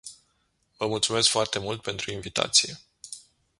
Vă mulțumesc foarte mult pentru invitație.